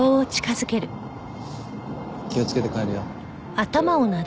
気をつけて帰れよ。